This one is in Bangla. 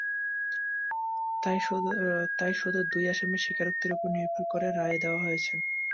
তাই শুধু দুই আসামির স্বীকারোক্তির ওপর নির্ভর করে রায় দেওয়া হয়েছে।